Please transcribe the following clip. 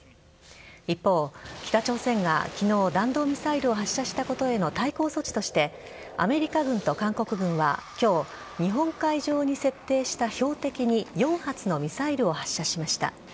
一方、北朝鮮が昨日、弾道ミサイルを発射したことへの対抗措置としてアメリカ軍と韓国軍は今日日本海上に設定した標的に４発のミサイルを発射しました。